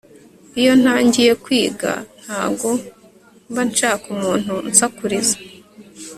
Iyo ntangiyekwiga ntago mbanshaka umuntu unsakuriza